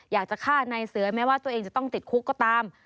อยากจะฆ่าในเสือแม้ว่าตัวเองจะต้องติดคุกก็ตาม